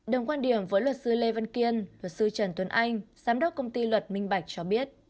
đồng quan điểm với luật sư lê văn kiên luật sư trần tuấn anh giám đốc công ty luật minh bạch cho biết